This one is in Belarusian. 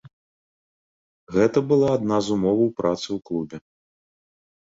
Гэта была адна з умоваў працы ў клубе.